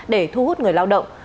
để thu hút người lao động